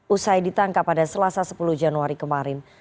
usai ditangkap pada selasa sepuluh januari kemarin